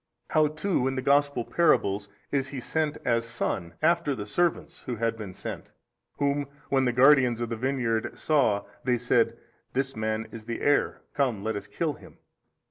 how too in the Gospel parables is He sent as Son after the servants [had been sent]? whom when the guardians of the vineyard saw they said, This man is the heir, come let us kill Him.